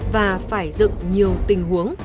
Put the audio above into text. và phải dựng nhiều tình huống